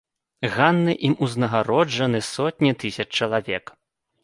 Ганны ім узнагароджаны сотні тысяч чалавек.